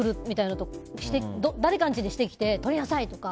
誰かん家でしてきてとりなさいとか。